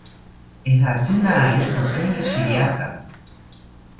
Ejatzi naari nokenkishiriaka